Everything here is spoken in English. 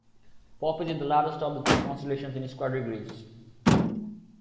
Puppis is the largest of the three constellations in square degrees.